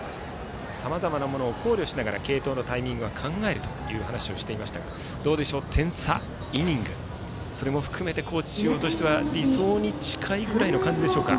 さまざまなものを考慮しながら継投のタイミングは考えるという話はしていましたが点差、イニングそれも含めて高知中央としては理想に近い感じでしょうか。